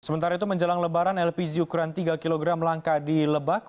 sementara itu menjelang lebaran lpg ukuran tiga kg langka di lebak